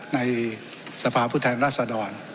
ในภาพุทธนรัฐสดร